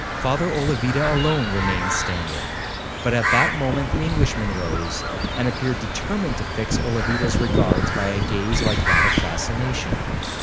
Father Olavida alone remained standing; but at that moment the Englishman rose, and appeared determined to fix Olavida's regards by a gaze like that of fascination.